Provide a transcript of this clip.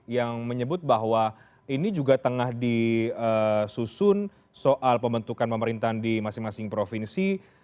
yang menyebut bahwa ini juga tengah disusun soal pembentukan pemerintahan di masing masing provinsi